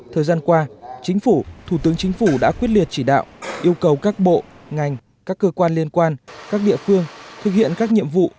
thời gian qua chính phủ thủ tướng chính phủ đã quyết liệt chỉ đạo yêu cầu các bộ ngành các cơ quan liên quan các địa phương thực hiện các nhiệm vụ